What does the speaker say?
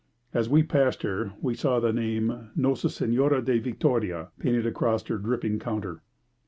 As we passed her we saw the name Nossa Sehnora da Vittoria painted across her dripping counter.